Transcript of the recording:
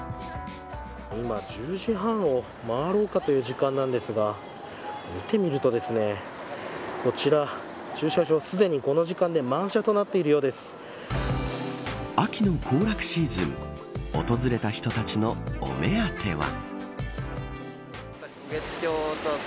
今、１０時半をまわろうかという時間なんですが見てみるとこちら、駐車場すでにこの時間で秋の行楽シーズン訪れた人たちのお目当ては。